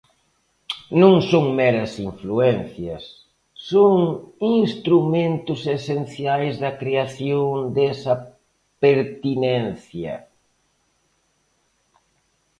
Non son meras influencias, son instrumentos esenciais da creación desa pertinencia.